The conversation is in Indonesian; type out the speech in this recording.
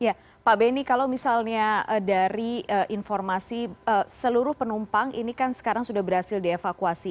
ya pak benny kalau misalnya dari informasi seluruh penumpang ini kan sekarang sudah berhasil dievakuasi